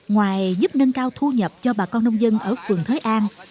ngoài giúp nâng cao thu nhập cho bà con nông dân ở phường thới an